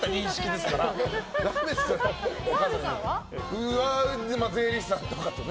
僕は税理士さんとかと。